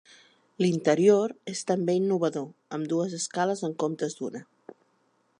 L'interior és també innovador, amb dues escales en comptes d'una.